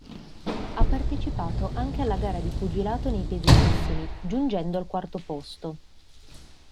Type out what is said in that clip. Ha partecipato anche alla gara di pugilato nei pesi massimi, giungendo al quarto posto.